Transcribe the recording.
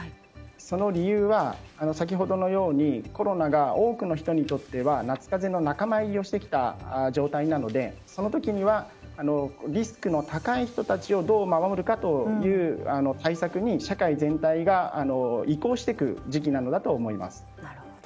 その理由は、先ほどのようにコロナが多くの人にとっては夏風邪の仲間入りをしてきた状態なのでその時にはリスクの高い人たちをどう守るかという対策に社会全体が移行してくる時期なんだと思います。